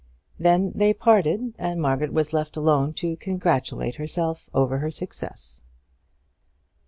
Then they parted, and Margaret was left alone to congratulate herself over her success.